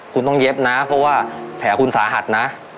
คุณต้องเย็บนะเพราะว่าแผลคุณสาหัสนะ